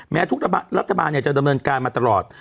ทุกรัฐบาลจะดำเนินการมาตลอด